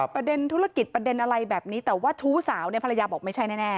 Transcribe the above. ประเด็นธุรกิจประเด็นอะไรแบบนี้แต่ว่าชู้สาวเนี่ยภรรยาบอกไม่ใช่แน่